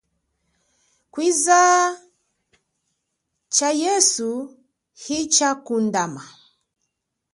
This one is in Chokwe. Kwiza tsha yesu hitshakundama.